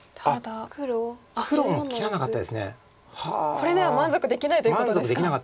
これでは満足できないということですか。